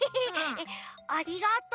ありがとう。